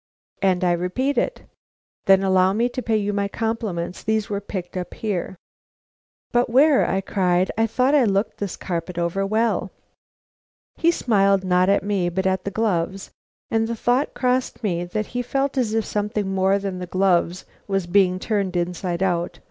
"And I repeat it." "Then allow me to pay you my compliments. These were picked up here." "But where?" I cried. "I thought I had looked this carpet well over." He smiled, not at me but at the gloves, and the thought crossed me that he felt as if something more than the gloves was being turned inside out.